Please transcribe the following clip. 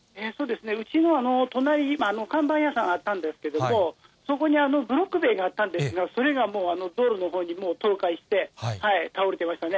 うちの隣に看板屋さんあったんですけれども、そこにブロック塀があったんですが、それが道路のほうに倒壊して、倒れてましたね。